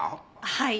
はい。